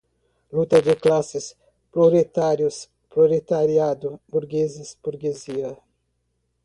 Luta de classes, proletários, proletariado, burgueses, burguesia